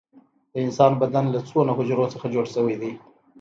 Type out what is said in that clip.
د انسان بدن له څومره حجرو څخه جوړ شوی دی